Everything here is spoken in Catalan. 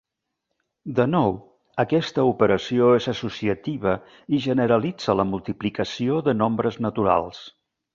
De nou, aquesta operació és associativa i generalitza la multiplicació de nombres naturals.